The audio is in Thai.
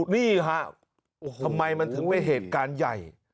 นี่ฮะทำไมมันถึงเป็นเหตุการณ์ใหญ่